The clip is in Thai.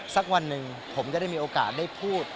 สักวันหนึ่งผมจะได้มีโอกาสได้พูด